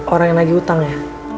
orang yang lagi utang ya